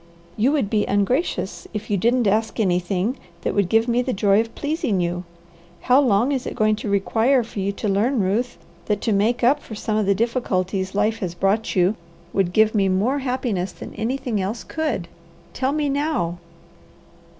"You would be ungracious if you didn't ask anything that would give me the joy of pleasing you. How long is it going to require for you to learn, Ruth, that to make up for some of the difficulties life has brought you would give me more happiness than anything else could? Tell me now."